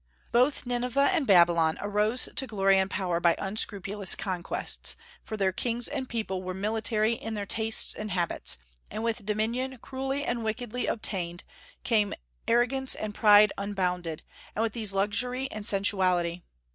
Both Nineveh and Babylon arose to glory and power by unscrupulous conquests, for their kings and people were military in their tastes and habits; and with dominion cruelly and wickedly obtained came arrogance and pride unbounded, and with these luxury and sensuality.